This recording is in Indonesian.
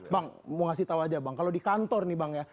bang mau kasih tahu aja bang kalau di kantor nih bang ya